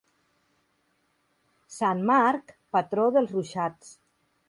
Sant Marc, patró dels ruixats.